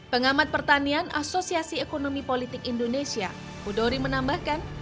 pengamat pertanian asosiasi ekonomi politik indonesia budori menambahkan